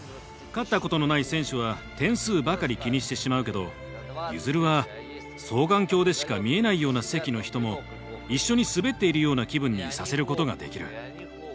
勝ったことのない選手は点数ばかり気にしてしまうけどユヅルは双眼鏡でしか見えないような席の人も一緒に滑っているような気分にさせることができる。